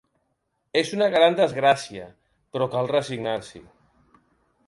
És una gran desgràcia, però cal resignar-se.